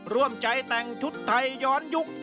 ร่วมใจแต่งชุดไทยย้อนยุค